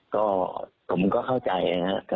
ก็ผมก็เข้าใจนะครับ